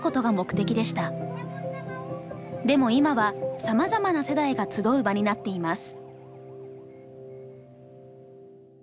でも今はさまざまな世代が集う場になっています。